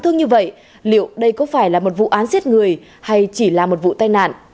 thương như vậy liệu đây có phải là một vụ án giết người hay chỉ là một vụ tai nạn